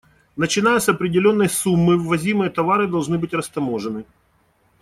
Начиная с определённой суммы, ввозимые товары должны быть растаможены.